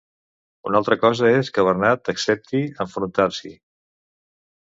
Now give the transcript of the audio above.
Una altra cosa és que Bernat accepti enfrontar-s'hi .